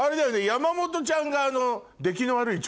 山本ちゃんが。